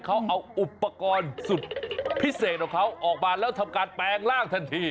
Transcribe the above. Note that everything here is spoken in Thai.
เขาเอาอุปกรณ์สุดพิเศษของเขาออกมาแล้วทำการแปลงร่างทันที